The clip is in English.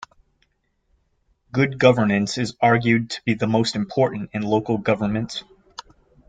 Good Governance is argued to be the most important in local governments.